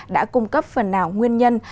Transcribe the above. đã cung cấp phần nào nguyên nhân